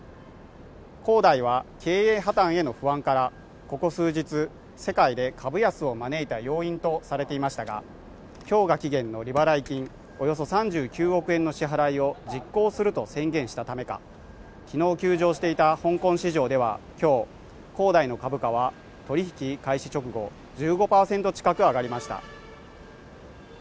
恒大は経営破綻への不安からここ数日世界で株安を招いた要因とされていましたが今日が期限の利払い金およそ３９億円の支払いを実行すると宣言したためかきのう休場していた香港市場ではきょう恒大の株価は取引開始直後１５％近く上がりました